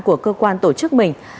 của cơ quan tổ chức mình